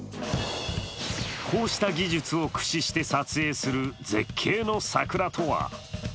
こうした技術を駆使して撮影する絶景の桜とは。